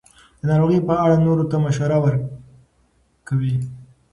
د ناروغیو په اړه نورو ته مشوره ورکوي.